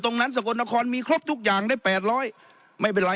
สกลนครมีครบทุกอย่างได้แปดร้อยไม่เป็นไร